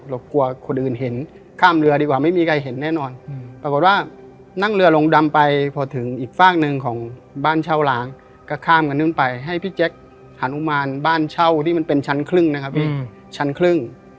กลัวคนอื่นเห็นข้ามเรือดีกว่าไม่มีใครเห็นแน่นอนปรากฏว่านั่งเรือลงดำไปพอถึงอีกฝากหนึ่งของบ้านเช่าล้างก็ข้ามกันขึ้นไปให้พี่แจ๊คหานุมานบ้านเช่าที่มันเป็นชั้นครึ่งนะครับพี่ชั้นครึ่ง